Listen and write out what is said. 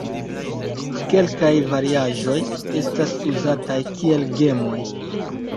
Kelkaj variaĵoj estas uzataj kiel gemoj.